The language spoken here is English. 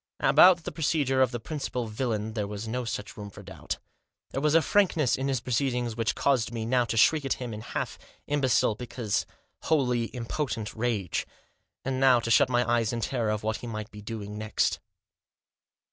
About the procedure of the principal villain there was no such room for doubt. There was a frankness in his proceedings which caused me now to shriek at him in half imbecile, because wholly impotent, rage; and Digitized by THE TRIO RETURN. 225 now to shut my eyes in terror of what he might be doing next.